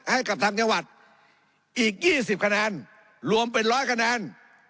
ให้กับทางจังหวัดอีก๒๐คะแนนรวมเป็นร้อยคะแนน